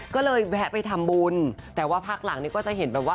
ก็เลยแวะไปทำบุญแต่ว่าพักหลังนี่ก็จะเห็นแบบว่า